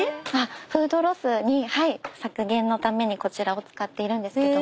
フードロス削減のためにこちらを使っているんですけども。